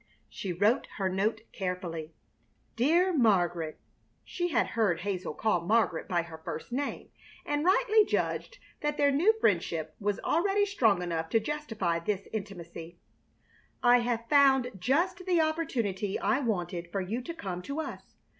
She wrote her note carefully: DEAR MARGARET [she had heard Hazel call Margaret by her first name, and rightly judged that their new friendship was already strong enough to justify this intimacy], I have found just the opportunity I wanted for you to come to us.